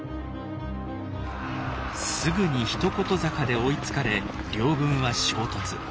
すぐに一言坂で追いつかれ両軍は衝突。